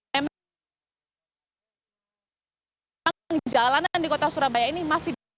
memang jalanan di kota surabaya ini masih